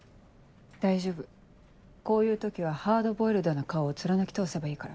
大丈夫こういう時はハードボイルドな顔を貫き通せばいいから。